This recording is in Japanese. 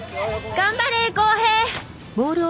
頑張れ公平！